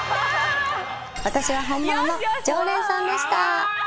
私は本物の常連さんでした！